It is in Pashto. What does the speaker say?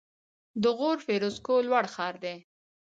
د غور فیروزکوه لوړ ښار و